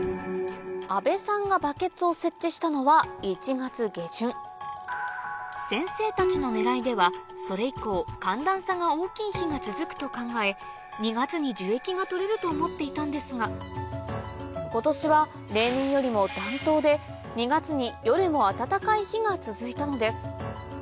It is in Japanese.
阿部さんが先生たちの狙いではそれ以降寒暖差が大きい日が続くと考え２月に樹液が採れると思っていたんですが今年は例年よりも暖冬で２月に夜も暖かい日が続いたのです